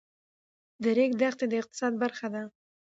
د ریګ دښتې د اقتصاد برخه ده.